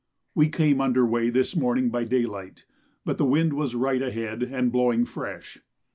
We were under weigh this morning by daylight, but the wind was right ahead and blowing fresh.